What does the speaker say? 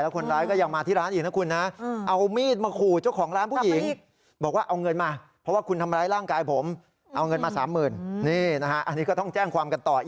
แล้วคนร้ายก็ยังมาที่ร้านอีกนะคุณนะ